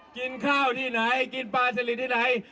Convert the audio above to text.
กินข้าวที่ไหนกินปลาสลิดที่ไหน